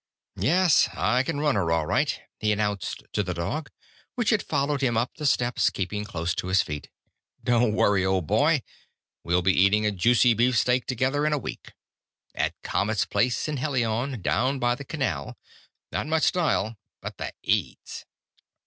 "Yes, I can run her, all right," he announced to the dog, which had followed him up the steps, keeping close to his feet. "Don't worry, old boy. We'll be eating a juicy beefsteak together, in a week. At Comet's place in Helion, down by the canal. Not much style but the eats!